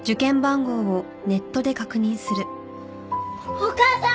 お母さん！